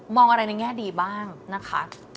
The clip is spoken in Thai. อะไรในแง่ดีบ้างนะคะ